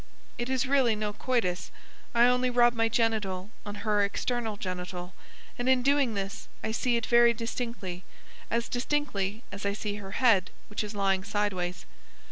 It is really no coitus, I only rub my genital on her external genital, and in doing this I see it very distinctly, as distinctly as I see her head which is lying sideways.